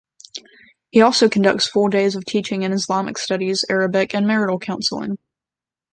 He also conducts full days of teaching in Islamic studies, Arabic and marital counselling.